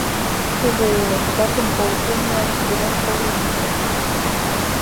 — Кугу улыт: эргым коло кум ияш, ӱдырем коло ийым тема.